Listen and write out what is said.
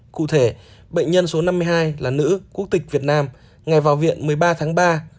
cụ thể bệnh nhân số năm mươi hai là nữ quốc tịch việt nam ngày vào viện một mươi ba tháng ba